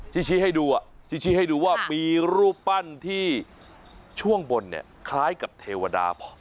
ชี้ให้ดูชี้ให้ดูว่ามีรูปปั้นที่ช่วงบนเนี่ยคล้ายกับเทวดา